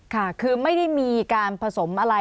ค่ะคือไม่ได้มีการผสมอะไร